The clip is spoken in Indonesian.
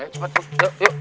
cepet yuk yuk